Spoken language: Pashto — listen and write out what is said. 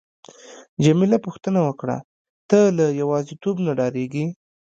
جميله پوښتنه وکړه: ته له یوازیتوب نه ډاریږې؟